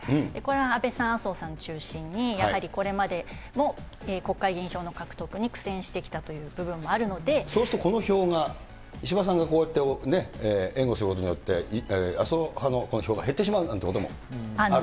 安倍さん、麻生さんを中心に、やはりこれまでも国会議員票の獲得に苦戦してきたという部分もあそうすると、この票が、石破さんがこうやって援護することによって、麻生派のこの票が減ってしまうなんていうこともある？